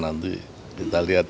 nah nanti kita lihat